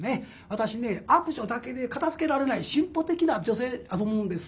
私ね「悪女」だけで片づけられない進歩的な女性やと思うんです。